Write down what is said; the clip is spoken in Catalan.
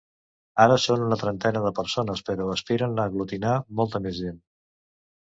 Ara són una trentena de persones, però aspiren a aglutinar molta més gent.